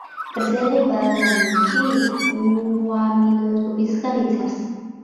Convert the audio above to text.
გრძელი ბალანი კი უამინდობისგან იცავს.